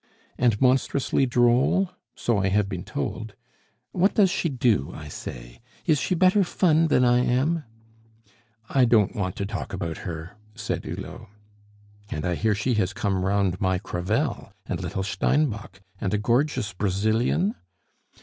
"And monstrously droll? So I have been told. What does she do, I say? Is she better fun than I am?" "I don't want to talk about her," said Hulot. "And I hear she has come round my Crevel, and little Steinbock, and a gorgeous Brazilian?"